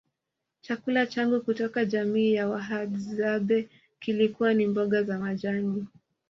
chakula changu kutoka jamii ya Wahadzabe kilikuwa ni mboga za majani